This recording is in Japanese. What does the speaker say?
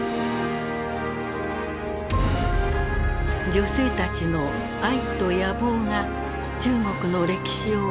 女性たちの愛と野望が中国の歴史を動かしてきた。